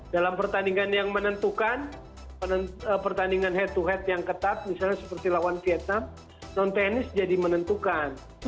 dalam pertandingan yang menentukan pertandingan head to head yang ketat misalnya seperti lawan vietnam non tenis jadi menentukan